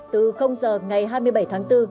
từ giờ ngày hai mươi bảy tháng bốn